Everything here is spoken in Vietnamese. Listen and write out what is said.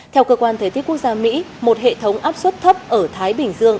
theo cơ quan thời tiết quốc gia mỹ một hệ thống áp suất thấp ở thái bình dương